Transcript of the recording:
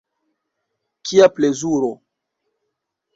Kia plezuro!